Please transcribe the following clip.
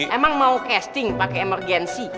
emang mau casting pakai emergensi